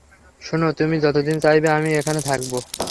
শুনো, তুমি যতদিন চাইবে আমি এখানে থাকবো।